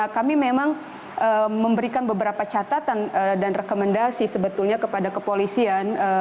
kami memang memberikan beberapa catatan dan rekomendasi sebetulnya kepada kepolisian